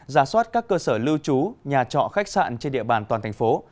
giả soát các cơ sở lưu trú nhà trọ khách sạn trên địa bàn toàn thành phố